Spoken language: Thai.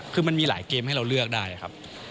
คือมันมีหลายเกมให้เราเลือกได้ครับ